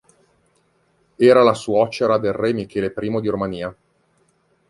Era la suocera del re Michele I di Romania.